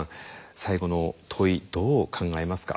最後の問いどう考えますか？